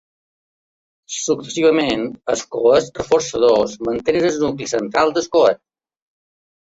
Successivament, els coets reforçadors mantenen el nucli central del coet.